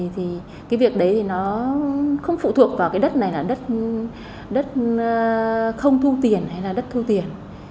thì cái việc đấy thì nó không phụ thuộc vào cái đất này là đất đất không thu tiền hay là đất thu tiền